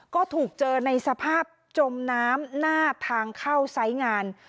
ก็ถูกเจอในสภาพจมน้ำหน้าทางเข้าไซส์งาน